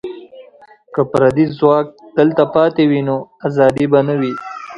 که پردي ځواک دلته پاتې وي، نو ازادي به نه وي.